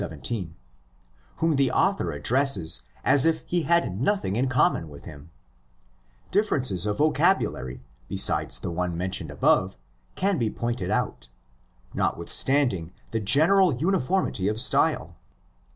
17), whom the author addresses as if he had nothing in common with him. Differences of I 114 THE EPISTLE TO THE ROMANS vocabulary, besides the one mentioned above, can be pointed out, notwithstanding the general uniformity of style.